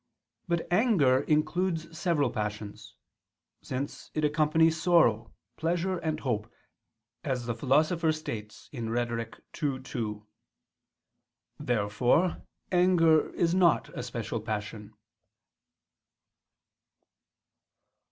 But anger includes several passions: since it accompanies sorrow, pleasure, and hope, as the Philosopher states (Rhet. ii, 2). Therefore anger is not a special passion.